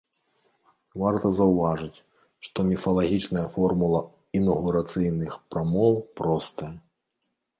Варта заўважыць, што міфалагічная формула інаўгурацыйных прамоў простая.